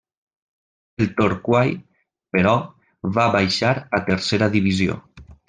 El Torquay, però, va baixar a tercera divisió.